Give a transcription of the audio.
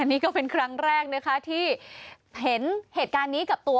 นี่ก็เป็นครั้งแรกนะคะที่เห็นเหตุการณ์นี้กับตัว